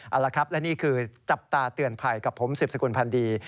เอาละครับและนี่คือจับตาเตือนภัยกับผมสืบสกุลพันธ์ดี